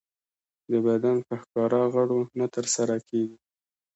د بدن په ښکاره غړو نه ترسره کېږي.